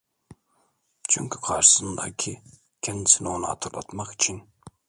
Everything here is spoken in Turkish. Çünkü karşısındaki kendisini ona hatırlatmak için: